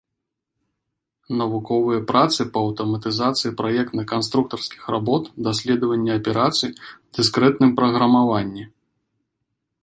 Навуковыя працы па аўтаматызацыі праектна-канструктарскіх работ, даследаванні аперацый, дыскрэтным праграмаванні.